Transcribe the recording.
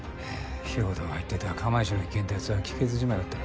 豹堂が言ってた釜石の一件ってやつは聞けずじまいだったな。